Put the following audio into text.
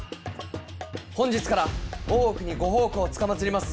本日から大奥にご奉公つかまつります